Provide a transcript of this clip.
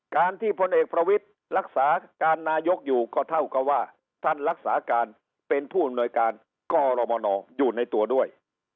การที่พลเอกประวิทย์รักษาการนายกอยู่ก็เท่ากับว่าท่านรักษาการเป็นผู้อำนวยการกรมนอยู่ในตัวด้วย